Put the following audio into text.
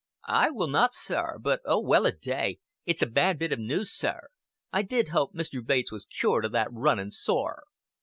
"I will not, sir. But, oh, well a day, it's a bad bit o' news, sir. I did hope Mr. Bates was cured o' that runnin' sore."